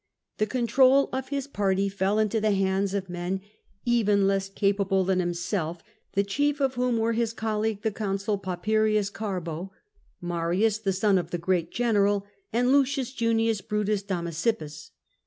The control of his party fell into the hands of men even less capable than himself, the chief of whom were his colleague, the consul Papirius Garbo, Marius, the son of the great general, and L. Junius Brutus Damasippus.